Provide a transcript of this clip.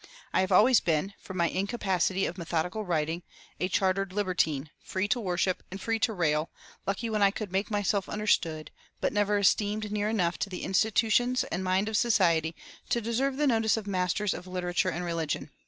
I have always been, from my incapacity of methodical writing, 'a chartered libertine,' free to worship and free to rail, lucky when I could make myself understood, but never esteemed near enough to the institutions and mind of society to deserve the notice of masters of literature and religion....